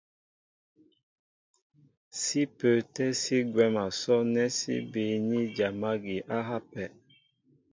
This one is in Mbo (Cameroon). Sí pə́ə́tɛ́ sí gwɛ̌m a sɔ́' nɛ́ sí bííní dyam ági á hápɛ.